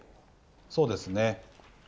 そうですね。